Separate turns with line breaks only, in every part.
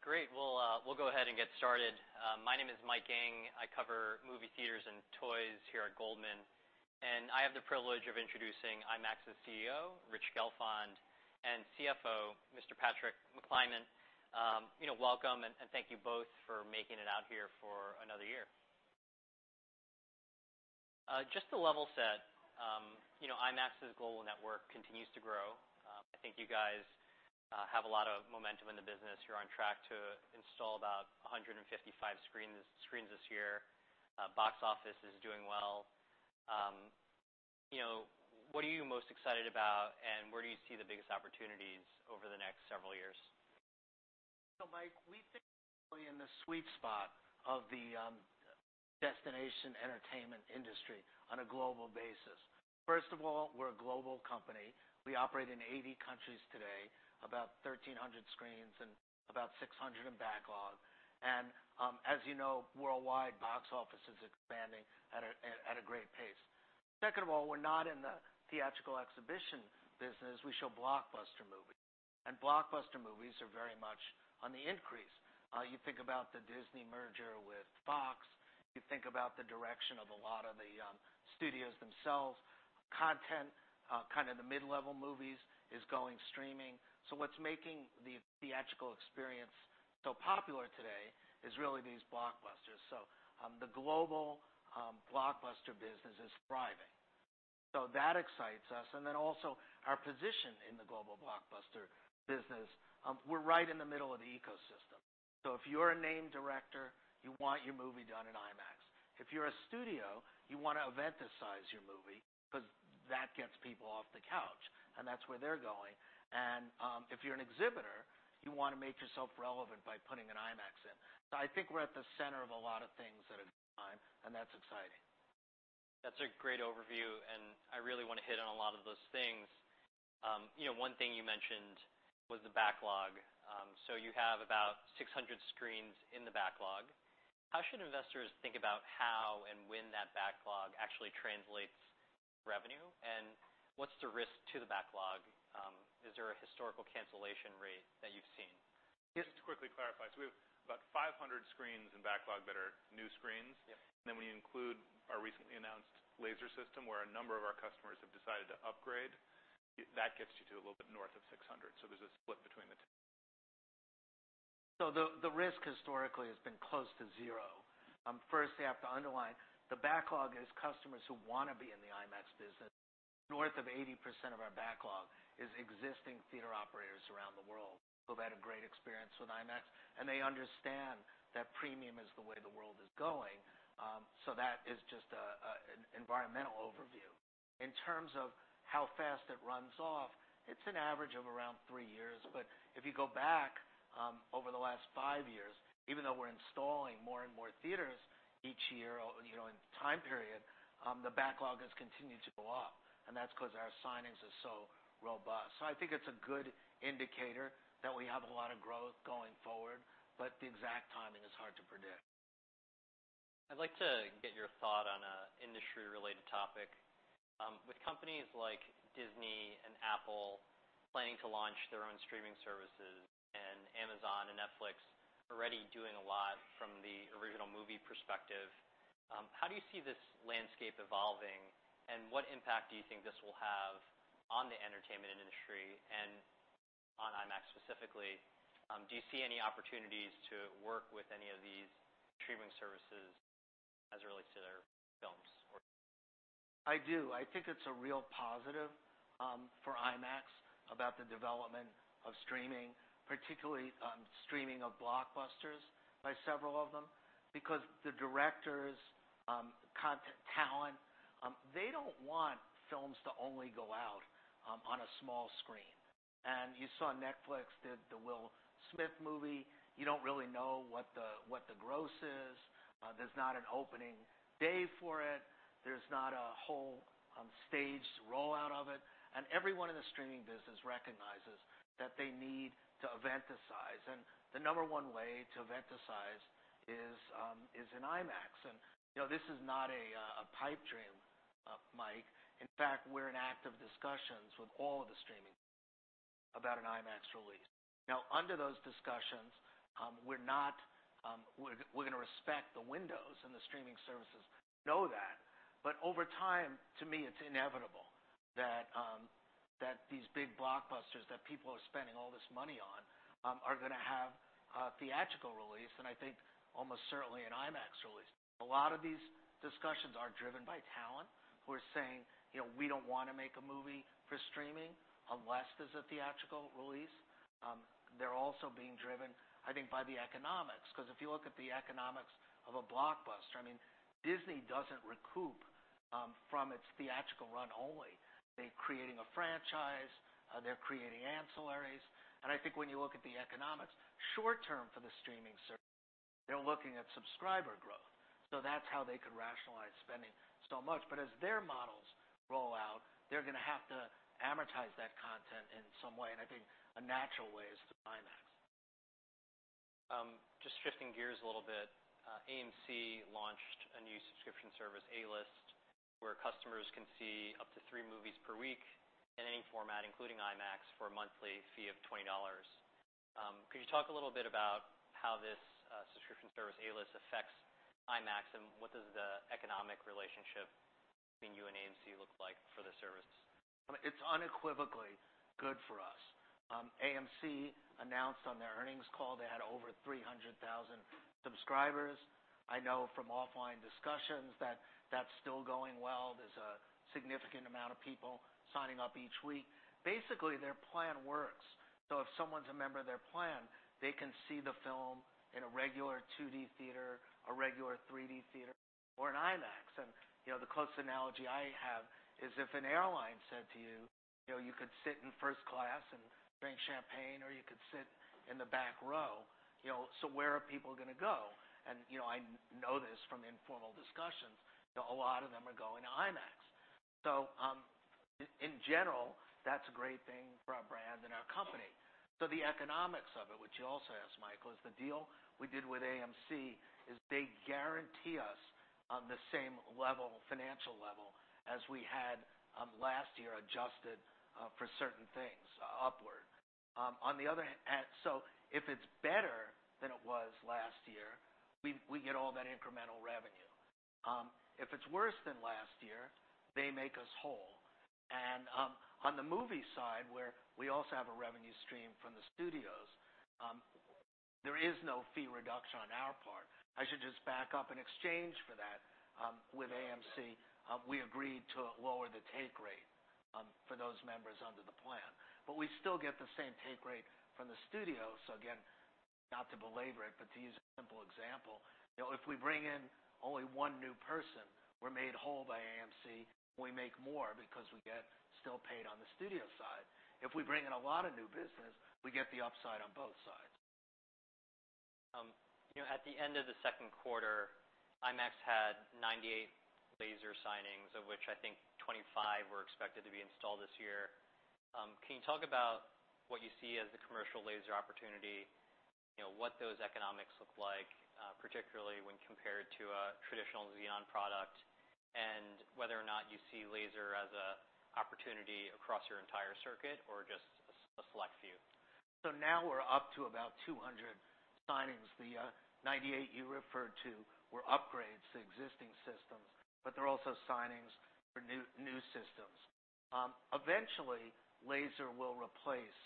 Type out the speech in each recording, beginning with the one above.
Great. We'll go ahead and get started. My name is Mike Ng. I cover movie theaters and toys here at Goldman, and I have the privilege of introducing IMAX's CEO, Rich Gelfond, and CFO, Mr. Patrick McClymont. You know, welcome and thank you both for making it out here for another year. Just to level set, you know, IMAX's global network continues to grow. I think you guys have a lot of momentum in the business. You're on track to install about 155 screens this year. Box office is doing well. You know, what are you most excited about, and where do you see the biggest opportunities over the next several years?
So, Mike, we sit in the sweet spot of the destination entertainment industry on a global basis. First of all, we're a global company. We operate in 80 countries today, about 1,300 screens and about 600 in backlog. And, as you know, worldwide, box office is expanding at a great pace. Second of all, we're not in the theatrical exhibition business. We show blockbuster movies. And blockbuster movies are very much on the increase. You think about the Disney merger with Fox. You think about the direction of a lot of the studios themselves. Content, kind of the mid-level movies is going streaming. So what's making the theatrical experience so popular today is really these blockbusters. So, the global blockbuster business is thriving. So that excites us. And then also our position in the global blockbuster business, we're right in the middle of the ecosystem. So if you're a name director, you want your movie done in IMAX. If you're a studio, you wanna event-size your movie 'cause that gets people off the couch, and that's where they're going. And, if you're an exhibitor, you wanna make yourself relevant by putting an IMAX in. So I think we're at the center of a lot of things at a time, and that's exciting.
That's a great overview, and I really wanna hit on a lot of those things. You know, one thing you mentioned was the backlog, so you have about 600 screens in the backlog. How should investors think about how and when that backlog actually translates revenue, and what's the risk to the backlog? Is there a historical cancellation rate that you've seen?
Just to quickly clarify, so we have about 500 screens in backlog that are new screens.
Yep.
And then when you include our recently announced laser system, where a number of our customers have decided to upgrade, that gets you to a little bit north of 600. So there's a split between the two.
So the risk historically has been close to zero. First, I have to underline, the backlog is customers who wanna be in the IMAX business. North of 80% of our backlog is existing theater operators around the world who've had a great experience with IMAX, and they understand that premium is the way the world is going. So that is just an environmental overview. In terms of how fast it runs off, it's an average of around three years. But if you go back, over the last five years, even though we're installing more and more theaters each year, you know, in time period, the backlog has continued to go up. And that's 'cause our signings are so robust. So I think it's a good indicator that we have a lot of growth going forward, but the exact timing is hard to predict.
I'd like to get your thoughts on an industry-related topic. With companies like Disney and Apple planning to launch their own streaming services, and Amazon and Netflix already doing a lot from the original movie perspective, how do you see this landscape evolving, and what impact do you think this will have on the entertainment industry and on IMAX specifically? Do you see any opportunities to work with any of these streaming services as it relates to their films or?
I do. I think it's a real positive for IMAX about the development of streaming, particularly streaming of blockbusters by several of them. Because the directors, content talent, they don't want films to only go out on a small screen. And you saw Netflix did the Will Smith movie. You don't really know what the gross is. There's not an opening day for it. There's not a whole staged rollout of it. And everyone in the streaming business recognizes that they need to event-size. And the number one way to event-size is in IMAX. And you know, this is not a pipe dream, Mike. In fact, we're in active discussions with all of the streaming about an IMAX release. Now, under those discussions, we're not, we're gonna respect the windows in the streaming services. Know that. But over time, to me, it's inevitable that these big blockbusters that people are spending all this money on are gonna have theatrical release, and I think almost certainly an IMAX release. A lot of these discussions are driven by talent who are saying, you know, we don't wanna make a movie for streaming unless there's a theatrical release. They're also being driven, I think, by the economics. 'Cause if you look at the economics of a blockbuster, I mean, Disney doesn't recoup from its theatrical run only. They're creating a franchise. They're creating ancillaries. And I think when you look at the economics, short-term for the streaming service, they're looking at subscriber growth. So that's how they could rationalize spending so much. But as their models roll out, they're gonna have to amortize that content in some way. And I think a natural way is through IMAX.
Just shifting gears a little bit, AMC launched a new subscription service, A-List, where customers can see up to three movies per week in any format, including IMAX, for a monthly fee of $20. Could you talk a little bit about how this, subscription service, A-List, affects IMAX, and what does the economic relationship between you and AMC look like for the service?
It's unequivocally good for us. AMC announced on their earnings call they had over 300,000 subscribers. I know from offline discussions that that's still going well. There's a significant amount of people signing up each week. Basically, their plan works, so if someone's a member of their plan, they can see the film in a regular 2D theater, a regular 3D theater, or an IMAX, and you know, the closest analogy I have is if an airline said to you, you know, you could sit in first class and drink champagne, or you could sit in the back row, you know, so where are people gonna go, and you know, I know this from informal discussions, you know, a lot of them are going to IMAX, so in general, that's a great thing for our brand and our company. So the economics of it, which you also asked, Mike, was the deal we did with AMC is they guarantee us the same level, financial level, as we had last year adjusted for certain things, upward. On the other hand, so if it's better than it was last year, we get all that incremental revenue. If it's worse than last year, they make us whole. On the movie side, where we also have a revenue stream from the studios, there is no fee reduction on our part. I should just back up. In exchange for that, with AMC, we agreed to lower the take rate for those members under the plan. We still get the same take rate from the studios. So again, not to belabor it, but to use a simple example, you know, if we bring in only one new person, we're made whole by AMC, and we make more because we get still paid on the studio side. If we bring in a lot of new business, we get the upside on both sides.
You know, at the end of the second quarter, IMAX had 98 laser signings, of which I think 25 were expected to be installed this year. Can you talk about what you see as the commercial laser opportunity, you know, what those economics look like, particularly when compared to a traditional Xenon product, and whether or not you see laser as a opportunity across your entire circuit or just a select few?
So now we're up to about 200 signings. The 98 you referred to were upgrades to existing systems, but they're also signings for new systems. Eventually, laser will replace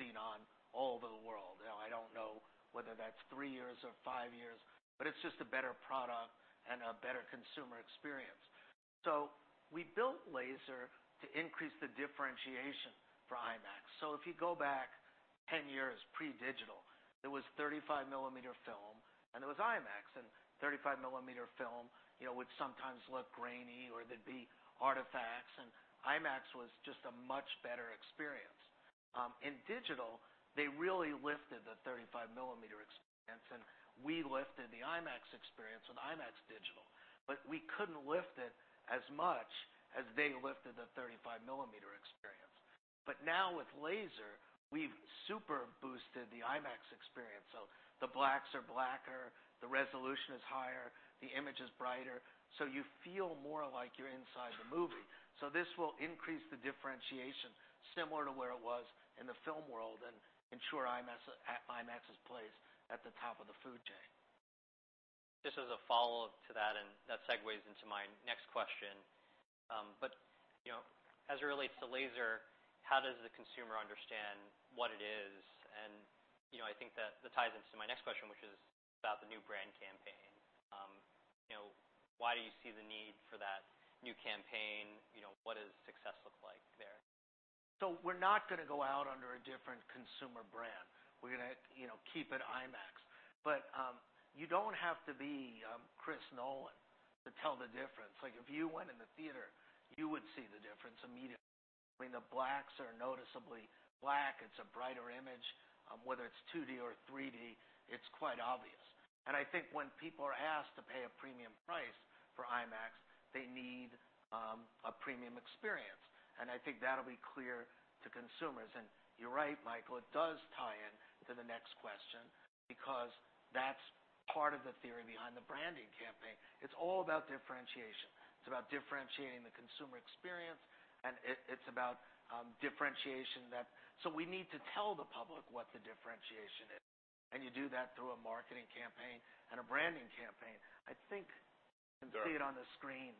Xenon all over the world. Now, I don't know whether that's three years or five years, but it's just a better product and a better consumer experience. So we built laser to increase the differentiation for IMAX. So if you go back 10 years pre-digital, there was 35-millimeter film, and there was IMAX. And 35-millimeter film, you know, would sometimes look grainy, or there'd be artifacts. And IMAX was just a much better experience. In digital, they really lifted the 35-millimeter experience, and we lifted the IMAX experience with IMAX digital. But we couldn't lift it as much as they lifted the 35-millimeter experience. But now with laser, we've super-boosted the IMAX experience. So the blacks are blacker, the resolution is higher, the image is brighter. So you feel more like you're inside the movie. So this will increase the differentiation similar to where it was in the film world and ensure IMAX is placed at the top of the food chain.
Just as a follow-up to that, and that segues into my next question, but, you know, as it relates to laser, how does the consumer understand what it is? And, you know, I think that that ties into my next question, which is about the new brand campaign. You know, why do you see the need for that new campaign? You know, what does success look like there?
So we're not gonna go out under a different consumer brand. We're gonna, you know, keep it IMAX. But you don't have to be Chris Nolan to tell the difference. Like, if you went in the theater, you would see the difference immediately. I mean, the blacks are noticeably black. It's a brighter image. Whether it's 2D or 3D, it's quite obvious. And I think when people are asked to pay a premium price for IMAX, they need a premium experience. And I think that'll be clear to consumers. And you're right, Mike. It does tie into the next question because that's part of the theory behind the branding campaign. It's all about differentiation. It's about differentiating the consumer experience, and it's about differentiation, so we need to tell the public what the differentiation is. And you do that through a marketing campaign and a branding campaign. I think you can see it on the screen.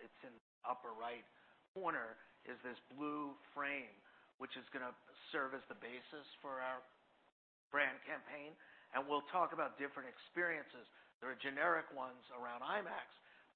It's in the upper right corner is this blue frame, which is gonna serve as the basis for our brand campaign. And we'll talk about different experiences. There are generic ones around IMAX,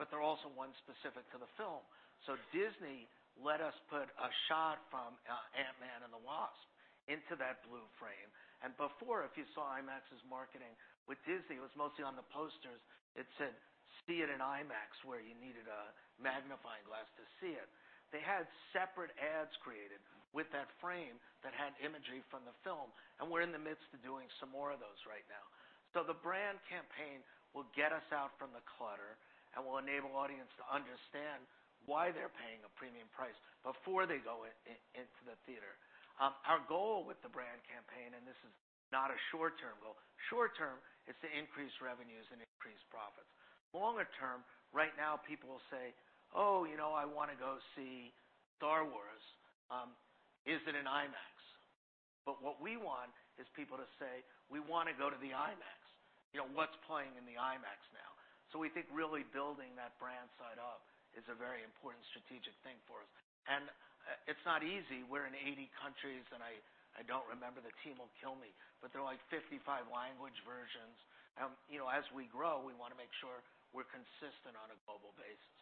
but there are also ones specific to the film. So Disney let us put a shot from, Ant-Man and the Wasp into that blue frame. And before, if you saw IMAX's marketing with Disney, it was mostly on the posters. It said, "See it in IMAX," where you needed a magnifying glass to see it. They had separate ads created with that frame that had imagery from the film. And we're in the midst of doing some more of those right now. So the brand campaign will get us out from the clutter, and we'll enable audiences to understand why they're paying a premium price before they go into the theater. Our goal with the brand campaign, and this is not a short-term goal. Short-term is to increase revenues and increase profits. Longer-term, right now, people will say, "Oh, you know, I wanna go see Star Wars. Is it in IMAX?" But what we want is people to say, "We wanna go to the IMAX." You know, what's playing in the IMAX now? So we think really building that brand side up is a very important strategic thing for us. And, it's not easy. We're in 80 countries, and I don't remember. The team will kill me. But there are like 55 language versions. You know, as we grow, we wanna make sure we're consistent on a global basis.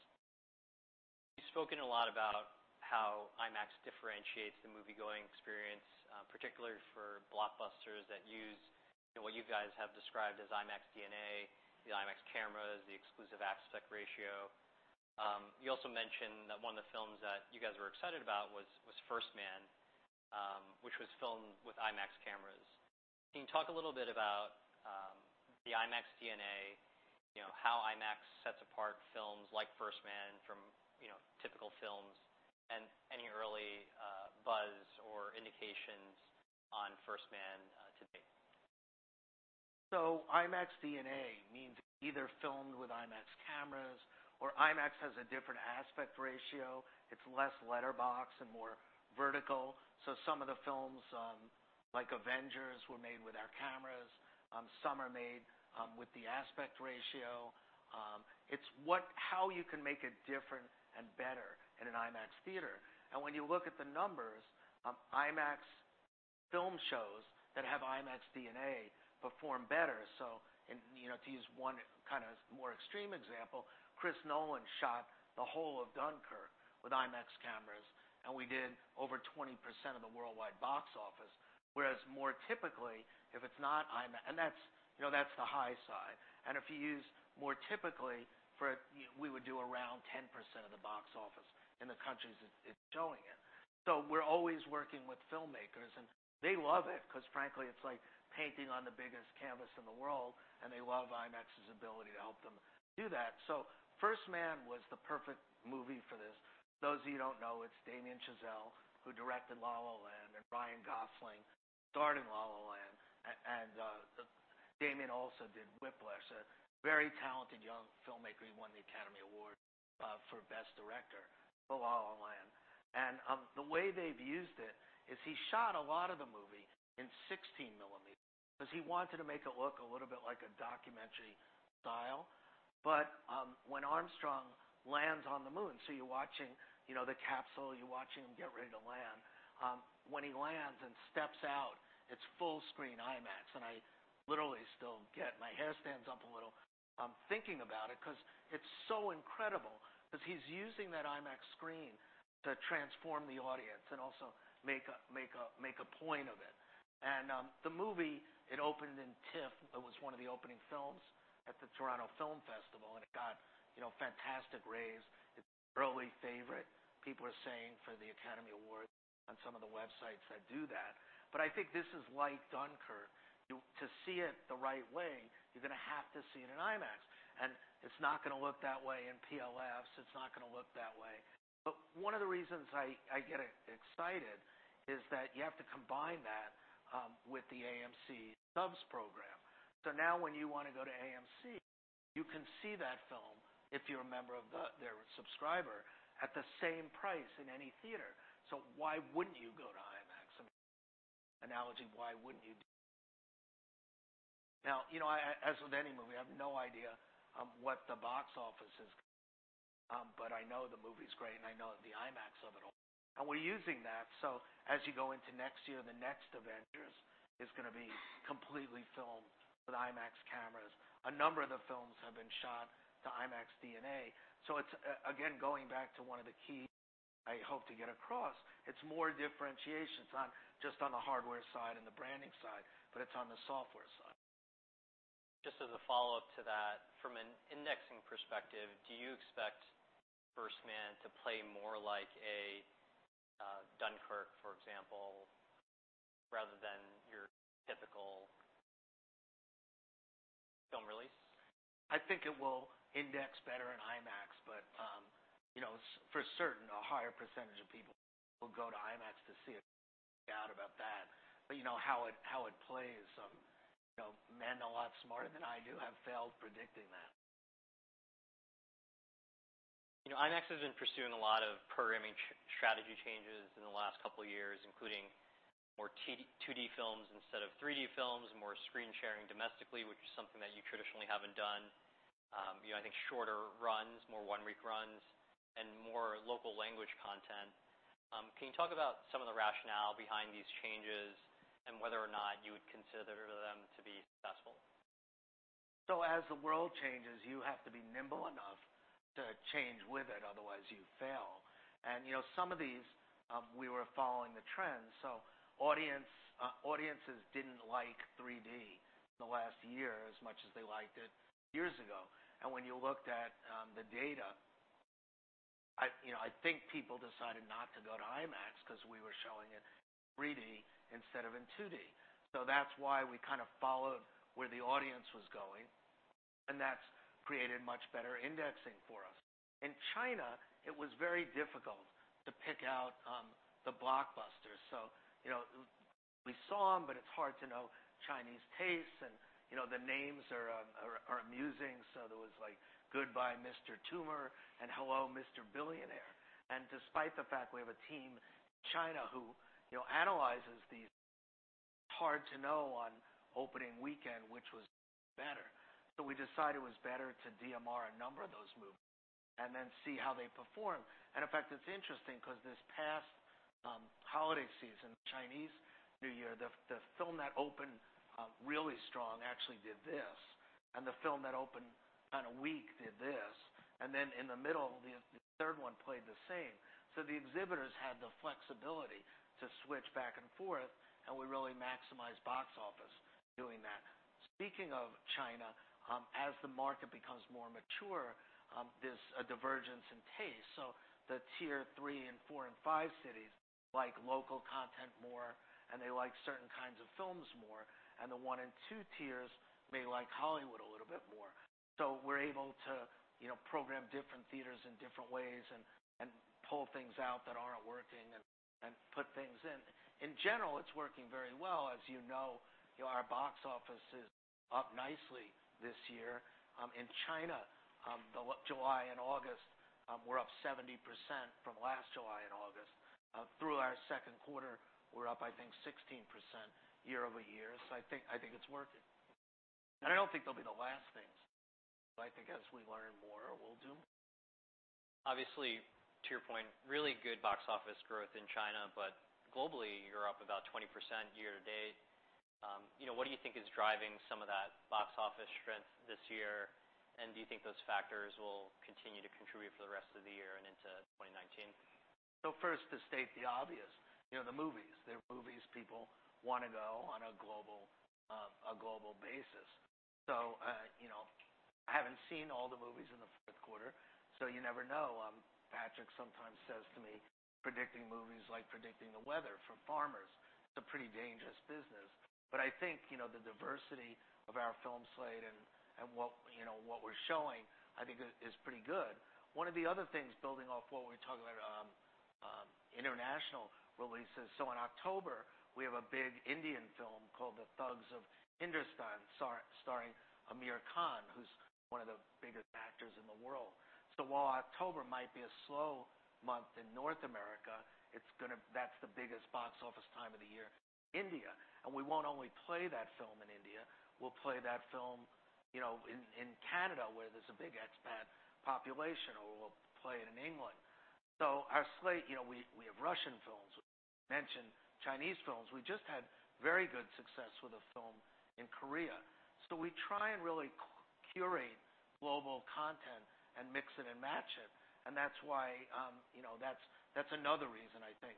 You've spoken a lot about how IMAX differentiates the movie-going experience, particularly for blockbusters that use, you know, what you guys have described as IMAX DNA, the IMAX cameras, the exclusive aspect ratio. You also mentioned that one of the films that you guys were excited about was First Man, which was filmed with IMAX cameras. Can you talk a little bit about the IMAX DNA, you know, how IMAX sets apart films like First Man from, you know, typical films, and any early buzz or indications on First Man today?
IMAX DNA means either filmed with IMAX cameras, or IMAX has a different aspect ratio. It's less letterbox and more vertical. Some of the films, like Avengers, were made with our cameras. Some are made with the aspect ratio. It's what how you can make it different and better in an IMAX theater. When you look at the numbers, IMAX films that have IMAX DNA perform better. In you know, to use one kinda more extreme example, Chris Nolan shot the whole of Dunkirk with IMAX cameras, and we did over 20% of the worldwide box office. Whereas more typically, if it's not IMAX and that's, you know, that's the high side. If you use more typically for a, you know, we would do around 10% of the box office in the countries it's showing in. So we're always working with filmmakers, and they love it 'cause, frankly, it's like painting on the biggest canvas in the world, and they love IMAX's ability to help them do that. So First Man was the perfect movie for this. For those of you who don't know, it's Damien Chazelle, who directed La La Land, and Ryan Gosling starred in La La Land. And, Damien also did Whiplash, a very talented young filmmaker. He won the Academy Award for Best Director for La La Land. And, the way they've used it is he shot a lot of the movie in 16-millimeter 'cause he wanted to make it look a little bit like a documentary style. But, when Armstrong lands on the moon, so you're watching, you know, the capsule, you're watching him get ready to land, when he lands and steps out, it's full-screen IMAX. I literally still get my hair stands up a little, thinking about it 'cause it's so incredible 'cause he's using that IMAX screen to transform the audience and also make a point of it. The movie opened in TIFF. It was one of the opening films at the Toronto Film Festival, and it got, you know, fantastic raves. It's an early favorite. People are saying for the Academy Award on some of the websites that do that. But I think this is like Dunkirk. You, to see it the right way, you're gonna have to see it in IMAX. And it's not gonna look that way in PLFs. It's not gonna look that way. But one of the reasons I get excited is that you have to combine that with the AMC subs program. So now when you wanna go to AMC, you can see that film if you're a member of their subscriber at the same price in any theater. Why wouldn't you go to IMAX? An analogy: why wouldn't you do? Now, you know, as with any movie, I have no idea what the box office is gonna, but I know the movie's great, and I know the IMAX of it all. And we're using that. As you go into next year, the next Avengers is gonna be completely filmed with IMAX cameras. A number of the films have been shot to IMAX DNA. It's, again, going back to one of the keys I hope to get across. It's more differentiation. It's not just on the hardware side and the branding side, but it's on the software side.
Just as a follow-up to that, from an indexing perspective, do you expect First Man to play more like a, Dunkirk, for example, rather than your typical film release?
I think it will index better in IMAX, but, you know, it's for certain a higher percentage of people will go to IMAX to see it. Out about that. But you know how it plays, you know, men a lot smarter than I do have failed predicting that.
You know, IMAX has been pursuing a lot of programming strategy changes in the last couple of years, including more 2D films instead of 3D films, more screen sharing domestically, which is something that you traditionally haven't done. You know, I think shorter runs, more one-week runs, and more local language content. Can you talk about some of the rationale behind these changes and whether or not you would consider them to be successful?
So as the world changes, you have to be nimble enough to change with it. Otherwise, you fail. And you know, some of these, we were following the trends. So audiences didn't like 3D the last year as much as they liked it years ago. And when you looked at the data, you know, I think people decided not to go to IMAX 'cause we were showing it in 3D instead of in 2D. So that's why we kinda followed where the audience was going, and that's created much better indexing for us. In China, it was very difficult to pick out the blockbusters. So you know, we saw them, but it's hard to know Chinese tastes. And you know, the names are amusing. So there was, like, "Goodbye Mr. Tumor," and "Hello Mr. Billionaire." And despite the fact we have a team in China who, you know, analyzes these, it's hard to know on opening weekend which was better. So we decided it was better to DMR a number of those movies and then see how they perform. And in fact, it's interesting 'cause this past holiday season, Chinese New Year, the film that opened really strong actually did this. And the film that opened kinda weak did this. And then in the middle, the third one played the same. So the exhibitors had the flexibility to switch back and forth, and we really maximized box office doing that. Speaking of China, as the market becomes more mature, there's a divergence in taste. So the tier 3 and 4 and 5 cities like local content more, and they like certain kinds of films more. And the 1 and 2 tiers may like Hollywood a little bit more. So we're able to, you know, program different theaters in different ways and pull things out that aren't working and put things in. In general, it's working very well. As you know, you know, our box office is up nicely this year. In China, the July and August, we're up 70% from last July and August. Through our second quarter, we're up, I think, 16% year-over-year. So I think, I think it's working. And I don't think they'll be the last things. But I think as we learn more, we'll do more.
Obviously, to your point, really good box office growth in China, but globally, you're up about 20% year to date. You know, what do you think is driving some of that box office strength this year? And do you think those factors will continue to contribute for the rest of the year and into 2019?
First, to state the obvious, you know, the movies. They're movies people wanna go on a global, a global basis. You know, I haven't seen all the movies in the fourth quarter, so you never know. Patrick sometimes says to me, "Predicting movies like predicting the weather for farmers." It's a pretty dangerous business. But I think, you know, the diversity of our film slate and what, you know, what we're showing, I think, is pretty good. One of the other things building off what we were talking about, international releases, so in October, we have a big Indian film called The Thugs of Hindostan, starring Aamir Khan, who's one of the biggest actors in the world. So while October might be a slow month in North America, it's gonna, that's the biggest box office time of the year in India. And we won't only play that film in India. We'll play that film, you know, in, in Canada, where there's a big expat population, or we'll play it in England. So our slate, you know, we, we have Russian films. We mention Chinese films. We just had very good success with a film in Korea. So we try and really curate global content and mix it and match it. And that's why, you know, that's, that's another reason, I think,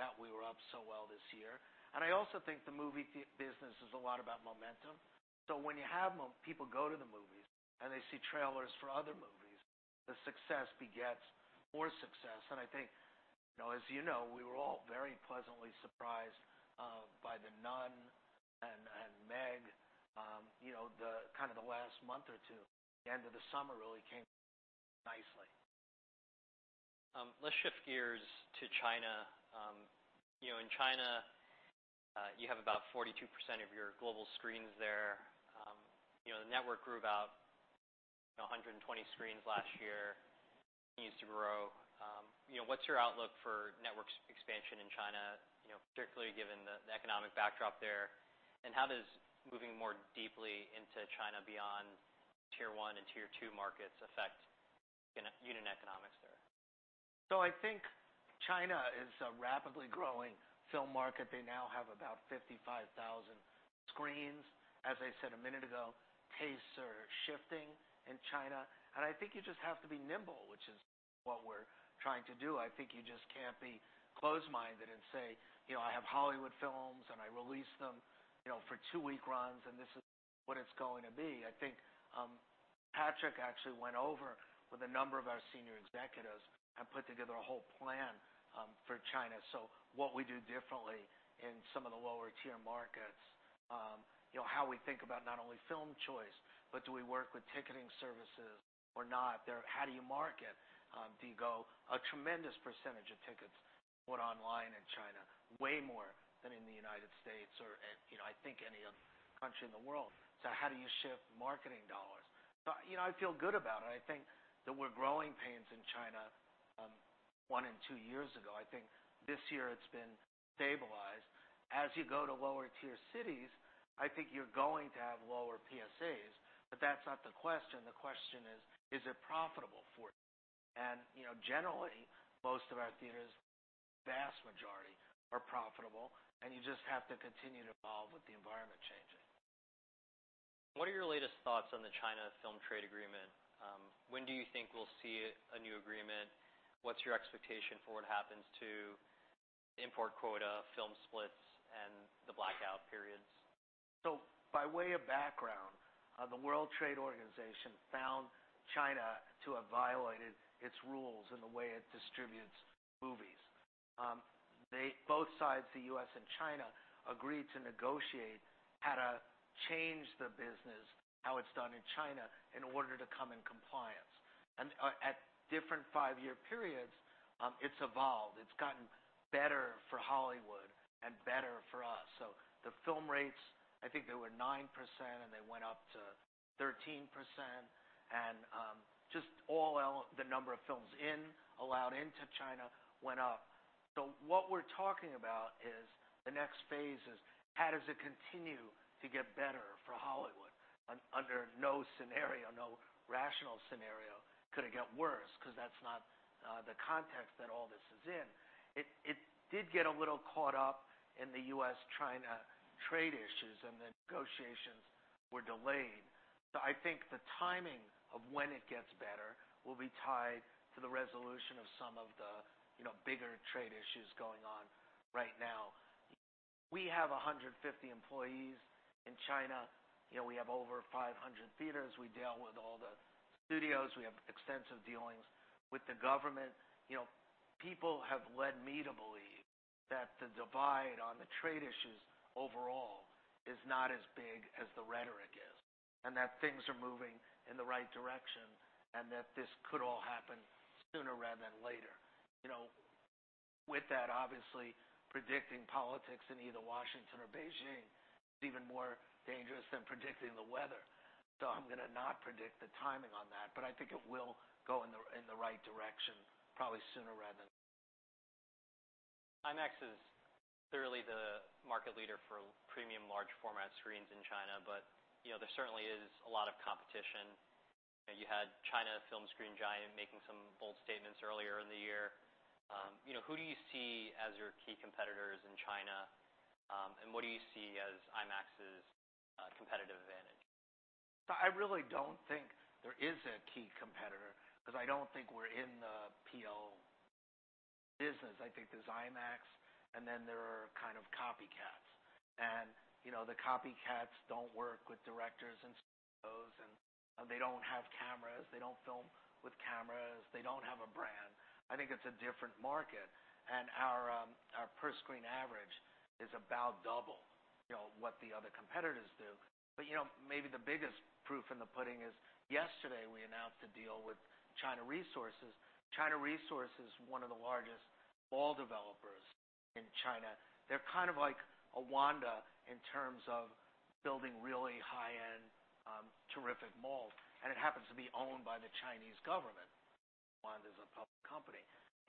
that we were up so well this year. And I also think the movie theater business is a lot about momentum. So when you have more people go to the movies and they see trailers for other movies, the success begets more success. I think, you know, as you know, we were all very pleasantly surprised by The Nun and Meg, you know, the kinda last month or two, the end of the summer really came nicely.
Let's shift gears to China. You know, in China, you have about 42% of your global screens there. You know, the network grew about 120 screens last year. It continues to grow. You know, what's your outlook for network expansion in China, you know, particularly given the economic backdrop there? And how does moving more deeply into China beyond tier 1 and tier 2 markets affect unit economics there?
So I think China is a rapidly growing film market. They now have about 55,000 screens. As I said a minute ago, tastes are shifting in China. And I think you just have to be nimble, which is what we're trying to do. I think you just can't be closed-minded and say, you know, "I have Hollywood films, and I release them, you know, for two-week runs, and this is what it's going to be." I think, Patrick actually went over with a number of our senior executives and put together a whole plan, for China. So what we do differently in some of the lower-tier markets, you know, how we think about not only film choice, but do we work with ticketing services or not? Then how do you market? You know, a tremendous percentage of tickets went online in China, way more than in the United States or, you know, I think any other country in the world. So how do you shift marketing dollars? So, you know, I feel good about it. I think that we had growing pains in China one and two years ago. I think this year it's been stabilized. As you go to lower-tier cities, I think you're going to have lower PSAs. But that's not the question. The question is, is it profitable for you? And, you know, generally, most of our theaters, vast majority, are profitable, and you just have to continue to evolve with the environment changing.
What are your latest thoughts on the China film trade agreement? When do you think we'll see a new agreement? What's your expectation for what happens to import quota, film splits, and the blackout periods?
By way of background, the World Trade Organization found China to have violated its rules in the way it distributes movies. They, both sides, the U.S. and China, agreed to negotiate how to change the business, how it's done in China, in order to come in compliance. At different five-year periods, it's evolved. It's gotten better for Hollywood and better for us. The film rates, I think they were 9%, and they went up to 13%. And, just all the number of films in, allowed into China went up. What we're talking about is the next phase is how does it continue to get better for Hollywood? Under no scenario, no rational scenario, could it get worse? 'Cause that's not the context that all this is in. It did get a little caught up in the U.S.-China trade issues, and the negotiations were delayed. So I think the timing of when it gets better will be tied to the resolution of some of the, you know, bigger trade issues going on right now. We have 150 employees in China. You know, we have over 500 theaters. We deal with all the studios. We have extensive dealings with the government. You know, people have led me to believe that the divide on the trade issues overall is not as big as the rhetoric is, and that things are moving in the right direction, and that this could all happen sooner rather than later. You know, with that, obviously, predicting politics in either Washington or Beijing is even more dangerous than predicting the weather. So I'm gonna not predict the timing on that, but I think it will go in the right direction, probably sooner rather than later.
IMAX is clearly the market leader for premium large-format screens in China, but, you know, there certainly is a lot of competition. You had China Film Screen Giant making some bold statements earlier in the year. You know, who do you see as your key competitors in China, and what do you see as IMAX's competitive advantage?
I really don't think there is a key competitor 'cause I don't think we're in the PLF business. I think there's IMAX, and then there are kind of copycats. And, you know, the copycats don't work with directors and CEOs, and, they don't have cameras. They don't film with cameras. They don't have a brand. I think it's a different market. And our, our per-screen average is about double, you know, what the other competitors do. But, you know, maybe the biggest proof in the pudding is yesterday we announced a deal with China Resources. China Resources is one of the largest mall developers in China. They're kind of like a Wanda in terms of building really high-end, terrific malls. And it happens to be owned by the Chinese government. Wanda's a public company.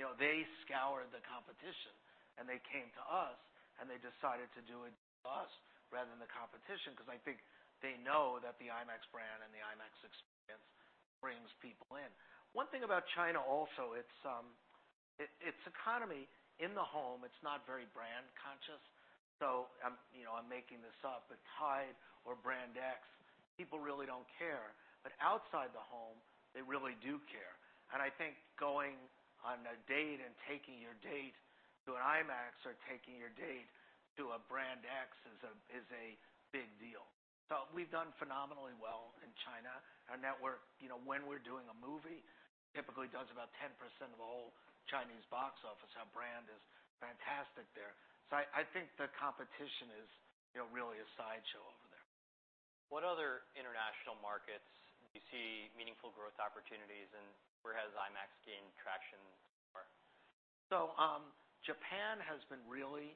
You know, they scoured the competition, and they came to us, and they decided to do it to us rather than the competition 'cause I think they know that the IMAX brand and the IMAX experience brings people in. One thing about China also, it's economy in the home, it's not very brand conscious. So I'm, you know, making this up, but Tide or brand X, people really don't care. But outside the home, they really do care. And I think going on a date and taking your date to an IMAX or taking your date to a brand X is a big deal. So we've done phenomenally well in China. Our network, you know, when we're doing a movie, typically does about 10% of all Chinese box office. Our brand is fantastic there. So I think the competition is, you know, really a sideshow over there.
What other international markets do you see meaningful growth opportunities, and where has IMAX gained traction so far?
So, Japan has been really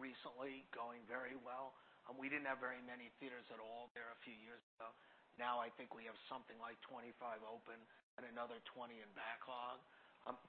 recently going very well. We didn't have very many theaters at all there a few years ago. Now I think we have something like 25 open and another 20 in backlog.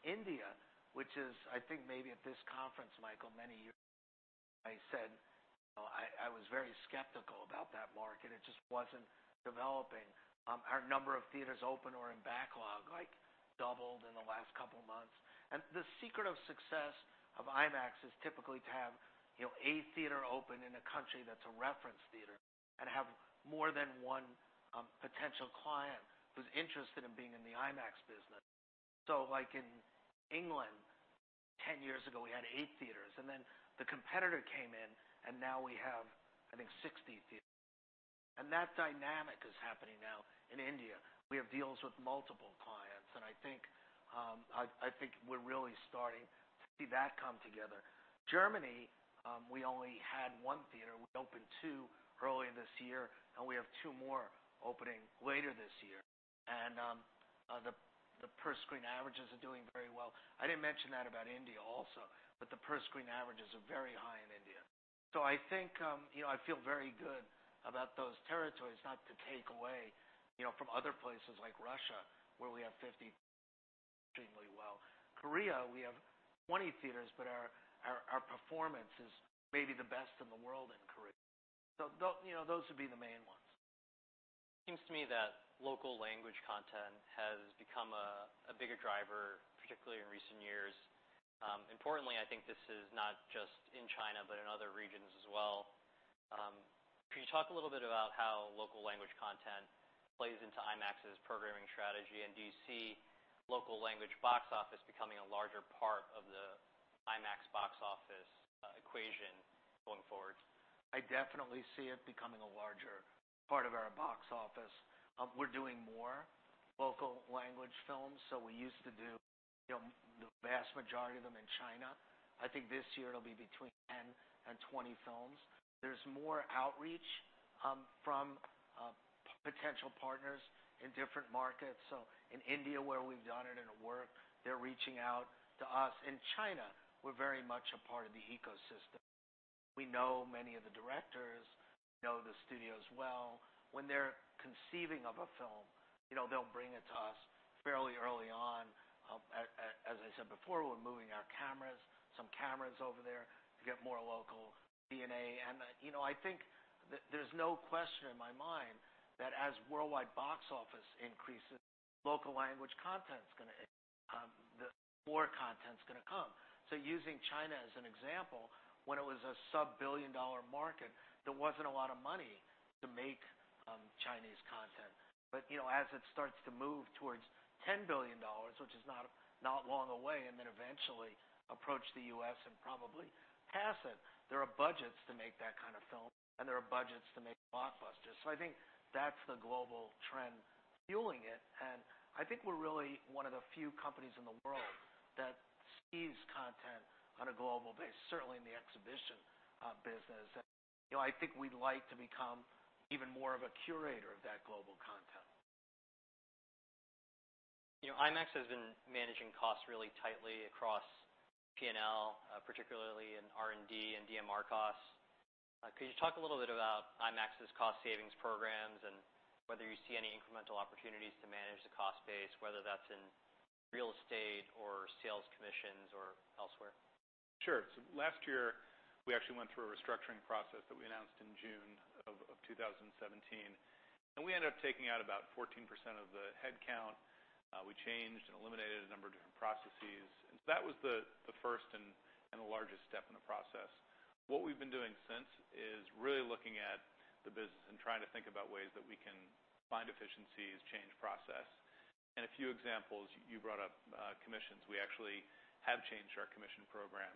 India, which is, I think, maybe at this conference, Michael, many years ago, I said, you know, I was very skeptical about that market. It just wasn't developing. Our number of theaters open or in backlog, like, doubled in the last couple months. And the secret of success of IMAX is typically to have, you know, a theater open in a country that's a reference theater and have more than one potential client who's interested in being in the IMAX business. So, like, in England 10 years ago, we had eight theaters. And then the competitor came in, and now we have, I think, 60 theaters. That dynamic is happening now in India. We have deals with multiple clients, and I think, I, I think we're really starting to see that come together. Germany, we only had one theater. We opened two earlier this year, and we have two more opening later this year. And, the per-screen averages are doing very well. I didn't mention that about India also, but the per-screen averages are very high in India. So I think, you know, I feel very good about those territories. Not to take away, you know, from other places like Russia, where we have 50 theaters, doing really well. Korea, we have 20 theaters, but our performance is maybe the best in the world in Korea. So though you know, those would be the main ones.
Seems to me that local language content has become a bigger driver, particularly in recent years. Importantly, I think this is not just in China but in other regions as well. Can you talk a little bit about how local language content plays into IMAX's programming strategy? And do you see local language box office becoming a larger part of the IMAX box office equation going forward?
I definitely see it becoming a larger part of our box office. We're doing more local language films. So we used to do, you know, the vast majority of them in China. I think this year it'll be between 10 and 20 films. There's more outreach from potential partners in different markets. So in India, where we've done it and it worked, they're reaching out to us. In China, we're very much a part of the ecosystem. We know many of the directors, know the studios well. When they're conceiving of a film, you know, they'll bring it to us fairly early on. As I said before, we're moving our cameras, some cameras over there to get more local DNA. And, you know, I think that there's no question in my mind that as worldwide box office increases, local language content's gonna, the more content's gonna come. Using China as an example, when it was a sub-billion-dollar market, there wasn't a lot of money to make Chinese content. But you know, as it starts to move towards $10 billion, which is not long away, and then eventually approach the U.S. and probably pass it, there are budgets to make that kind of film, and there are budgets to make blockbusters. I think that's the global trend fueling it. I think we're really one of the few companies in the world that sees content on a global base, certainly in the exhibition business. You know, I think we'd like to become even more of a curator of that global content.
You know, IMAX has been managing costs really tightly across P&L, particularly in R&D and DMR costs. Could you talk a little bit about IMAX's cost savings programs and whether you see any incremental opportunities to manage the cost base, whether that's in real estate or sales commissions or elsewhere?
Sure. So last year, we actually went through a restructuring process that we announced in June of 2017. And we ended up taking out about 14% of the headcount. We changed and eliminated a number of different processes. And that was the first and the largest step in the process. What we've been doing since is really looking at the business and trying to think about ways that we can find efficiencies, change process. And a few examples, you brought up, commissions. We actually have changed our commission program.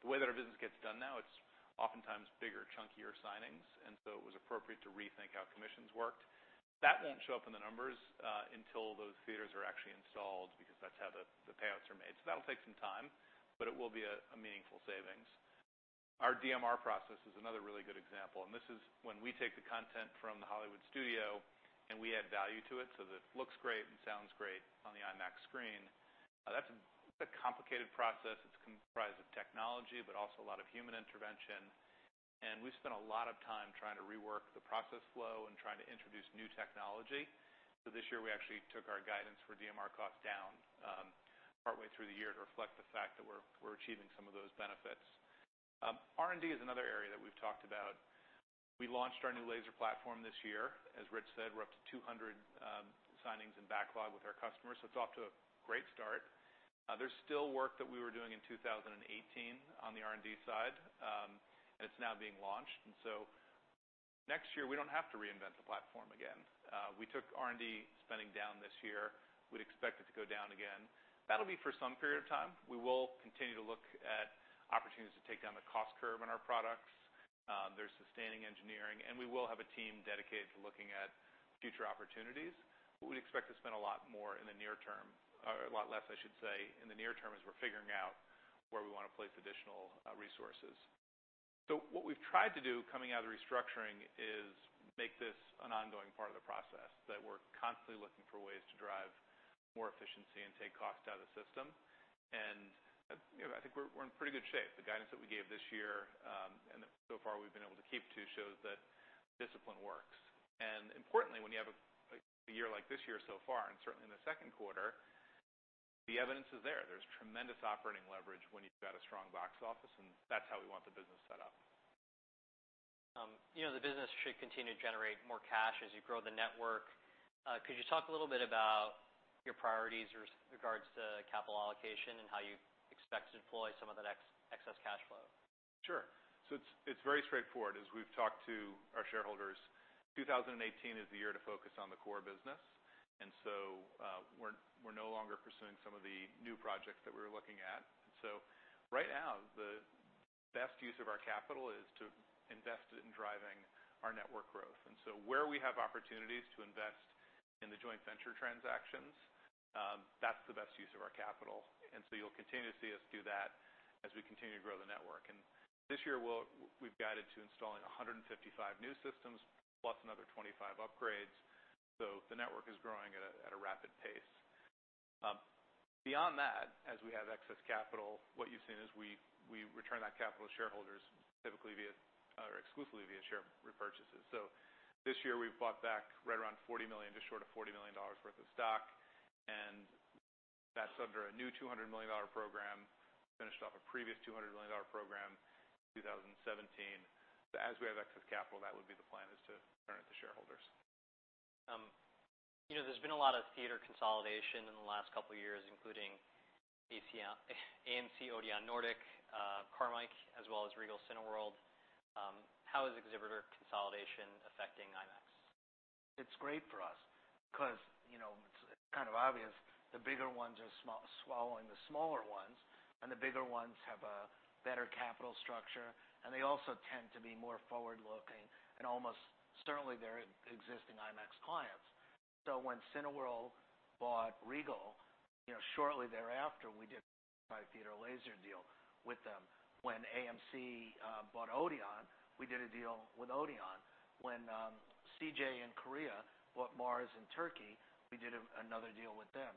The way that our business gets done now, it's oftentimes bigger, chunkier signings. And so it was appropriate to rethink how commissions worked. That won't show up in the numbers until those theaters are actually installed because that's how the payouts are made. So that'll take some time, but it will be a meaningful savings. Our DMR process is another really good example. And this is when we take the content from the Hollywood studio and we add value to it so that it looks great and sounds great on the IMAX screen. That's a, that's a complicated process. It's comprised of technology but also a lot of human intervention. And we've spent a lot of time trying to rework the process flow and trying to introduce new technology. So this year, we actually took our guidance for DMR costs down, partway through the year to reflect the fact that we're, we're achieving some of those benefits. R&D is another area that we've talked about. We launched our new laser platform this year. As Rich said, we're up to 200 signings in backlog with our customers. So it's off to a great start. There's still work that we were doing in 2018 on the R&D side, and it's now being launched. And so next year, we don't have to reinvent the platform again. We took R&D spending down this year. We'd expect it to go down again. That'll be for some period of time. We will continue to look at opportunities to take down the cost curve on our products. There's sustaining engineering, and we will have a team dedicated to looking at future opportunities. But we'd expect to spend a lot more in the near term, or a lot less, I should say, in the near term as we're figuring out where we wanna place additional resources. So what we've tried to do coming out of the restructuring is make this an ongoing part of the process, that we're constantly looking for ways to drive more efficiency and take costs out of the system. And, you know, I think we're in pretty good shape. The guidance that we gave this year, and that so far we've been able to keep to shows that discipline works. And importantly, when you have a year like this year so far, and certainly in the second quarter, the evidence is there. There's tremendous operating leverage when you've got a strong box office, and that's how we want the business set up.
You know, the business should continue to generate more cash as you grow the network. Could you talk a little bit about your priorities regards to capital allocation and how you expect to deploy some of that excess cash flow?
Sure. So it's very straightforward. As we've talked to our shareholders, 2018 is the year to focus on the core business. And so, we're no longer pursuing some of the new projects that we were looking at. And so right now, the best use of our capital is to invest it in driving our network growth. And so where we have opportunities to invest in the joint venture transactions, that's the best use of our capital. And so you'll continue to see us do that as we continue to grow the network. And this year, we've guided to installing 155 new systems plus another 25 upgrades. So the network is growing at a rapid pace. Beyond that, as we have excess capital, what you've seen is we return that capital to shareholders typically via, or exclusively via share repurchases. So this year, we've bought back right around $40 million, just short of $40 million worth of stock. And that's under a new $200 million program, finished off a previous $200 million program in 2017. So as we have excess capital, that would be the plan is to turn it to shareholders.
You know, there's been a lot of theater consolidation in the last couple of years, including AMC Odeon Nordic, Carmike, as well as Regal Cineworld. How is exhibitor consolidation affecting IMAX?
It's great for us 'cause, you know, it's kind of obvious. The bigger ones are swallowing the smaller ones, and the bigger ones have a better capital structure. And they also tend to be more forward-looking and almost certainly their existing IMAX clients. So when Cineworld bought Regal, you know, shortly thereafter, we did a theater laser deal with them. When AMC bought Odeon, we did a deal with Odeon. When CJ in Korea bought Mars in Turkey, we did another deal with them.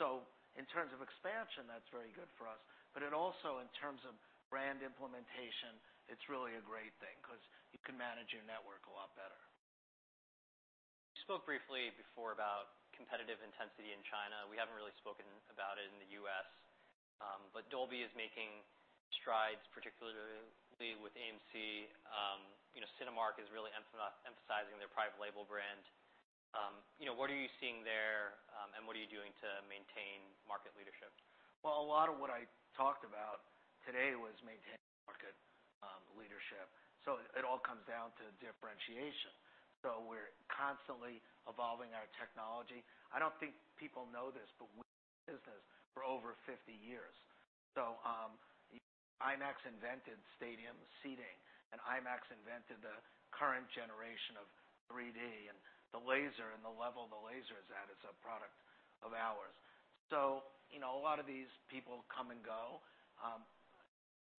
So in terms of expansion, that's very good for us. But it also, in terms of brand implementation, it's really a great thing 'cause you can manage your network a lot better.
You spoke briefly before about competitive intensity in China. We haven't really spoken about it in the U.S. But Dolby is making strides, particularly with AMC. You know, Cinemark is really emphasizing their private label brand. You know, what are you seeing there, and what are you doing to maintain market leadership?
A lot of what I talked about today was maintaining market leadership. So it all comes down to differentiation. So we're constantly evolving our technology. I don't think people know this, but we've been in business for over 50 years. So, IMAX invented stadium seating, and IMAX invented the current generation of 3D and the laser. And the level the laser is at is a product of ours. So, you know, a lot of these people come and go,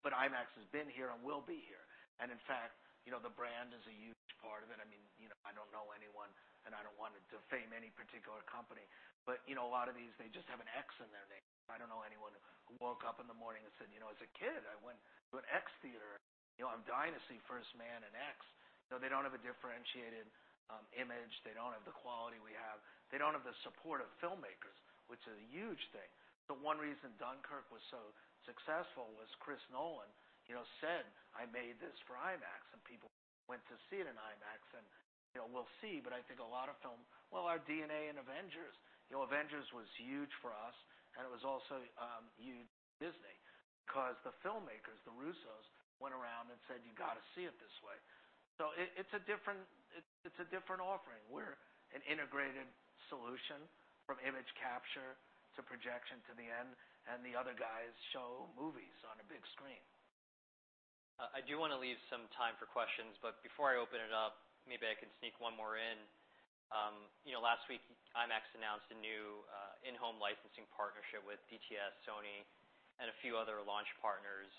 but IMAX has been here and will be here. And in fact, you know, the brand is a huge part of it. I mean, you know, I don't know anyone, and I don't want to defame any particular company. But, you know, a lot of these, they just have an X in their name. I don't know anyone who woke up in the morning and said, you know, as a kid, I went to an X theater. You know, I mean, didn't see First Man in X. You know, they don't have a differentiated image. They don't have the quality we have. They don't have the support of filmmakers, which is a huge thing. So one reason Dunkirk was so successful was Chris Nolan, you know, said, "I made this for IMAX," and people went to see it in IMAX. And, you know, we'll see. But I think a lot of film, well, our DNA in Avengers. You know, Avengers was huge for us, and it was also huge for Disney 'cause the filmmakers, the Russos, went around and said, "You gotta see it this way." So it's a different, it's a different offering. We're an integrated solution from image capture to projection to the end, and the other guys show movies on a big screen.
I do wanna leave some time for questions. But before I open it up, maybe I can sneak one more in. You know, last week, IMAX announced a new in-home licensing partnership with DTS, Sony, and a few other launch partners.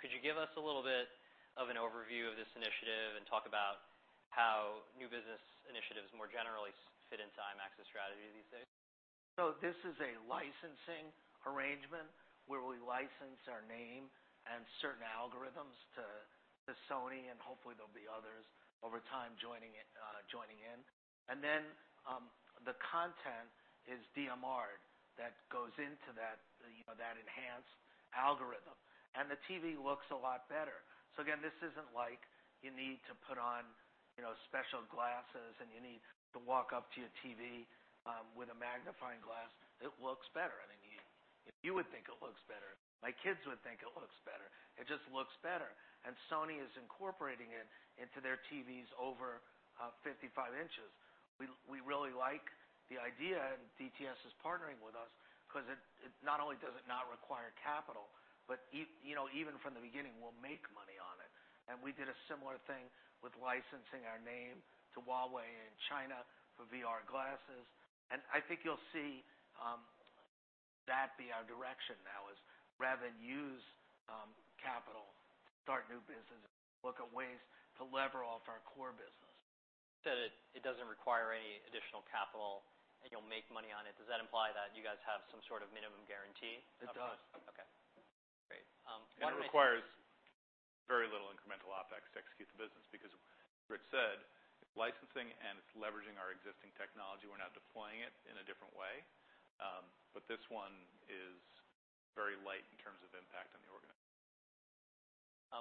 Could you give us a little bit of an overview of this initiative and talk about how new business initiatives more generally fit into IMAX's strategy these days?
So this is a licensing arrangement where we license our name and certain algorithms to Sony, and hopefully there'll be others over time joining in. And then, the content is DMR'd that goes into that, you know, that enhanced algorithm. And the TV looks a lot better. So again, this isn't like you need to put on, you know, special glasses, and you need to walk up to your TV with a magnifying glass. It looks better. I mean, you would think it looks better. My kids would think it looks better. It just looks better. And Sony is incorporating it into their TVs over 55 inches. We really like the idea, and DTS is partnering with us 'cause it not only does it not require capital, but even from the beginning, we'll make money on it. We did a similar thing with licensing our name to Huawei in China for VR glasses. I think you'll see that be our direction now is rather than use capital to start new business, look at ways to lever off our core business.
You said it, it doesn't require any additional capital, and you'll make money on it. Does that imply that you guys have some sort of minimum guarantee?
It does.
Okay. Great.
That requires very little incremental OpEx to execute the business because, as Rich said, it's licensing, and it's leveraging our existing technology. We're not deploying it in a different way, but this one is very light in terms of impact on the organization.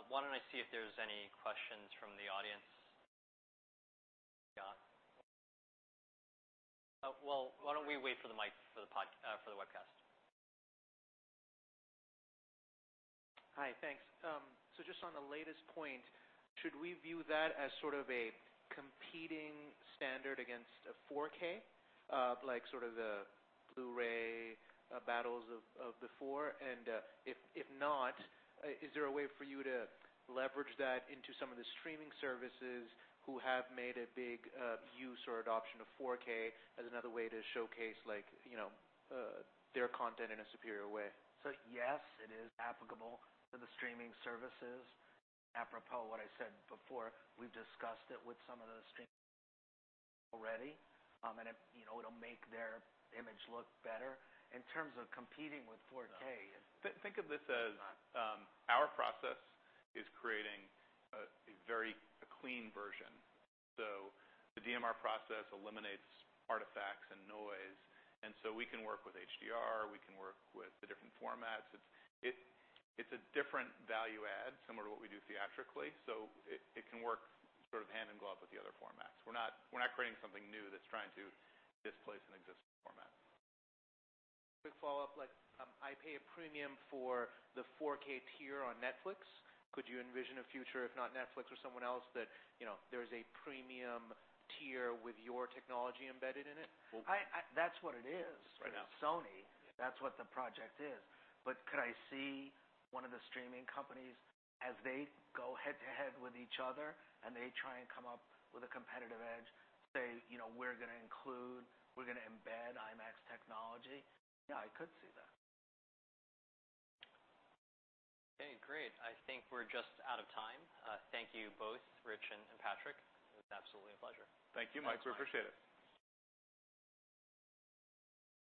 Why don't I see if there's any questions from the audience we got? Well, why don't we wait for the mic for the pod, for the webcast? Hi, thanks. So just on the latest point, should we view that as sort of a competing standard against a 4K, like sort of the Blu-ray, battles of before? And, if not, is there a way for you to leverage that into some of the streaming services who have made a big use or adoption of 4K as another way to showcase, like, you know, their content in a superior way?
So yes, it is applicable to the streaming services. Apropos what I said before, we've discussed it with some of the streaming already, and it, you know, it'll make their image look better. In terms of competing with 4K.
Think of this as our process is creating a very clean version. So the DMR process eliminates artifacts and noise. And so we can work with HDR. We can work with the different formats. It's a different value add similar to what we do theatrically. So it can work sort of hand-in-glove with the other formats. We're not creating something new that's trying to displace an existing format. Quick follow-up. Like, I pay a premium for the 4K tier on Netflix. Could you envision a future, if not Netflix or someone else, that, you know, there's a premium tier with your technology embedded in it?
I, that's what it is right now. It's Sony. That's what the project is. But could I see one of the streaming companies, as they go head-to-head with each other and they try and come up with a competitive edge, say, you know, "We're gonna include, we're gonna embed IMAX technology"? Yeah, I could see that.
Okay. Great. I think we're just out of time. Thank you both, Rich and Patrick. It was absolutely a pleasure.
Thank you, Mike. We appreciate it.